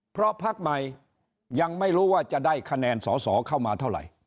เพราะพักใหม่ยังไม่รู้ว่าจะได้คะแนนสอสอเข้ามาเท่าไหร่